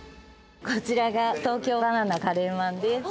こちらが東京ばな奈カレーまんです。